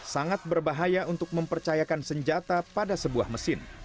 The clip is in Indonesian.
sangat berbahaya untuk mempercayakan senjata pada sebuah mesin